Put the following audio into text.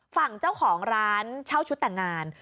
ฝั่งเจ้าของร้านเช่าชุดแต่งงาน